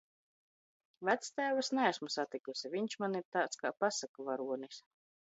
Vectēvu es neesmu satikusi, viņš man ir tāds kā pasaku varonis.